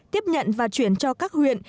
tiếp nhận và chuyển cho các huyện